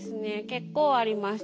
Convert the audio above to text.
結構ありました。